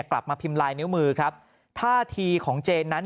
กลับมาพิมพ์ลายนิ้วมือครับท่าทีของเจนนั้น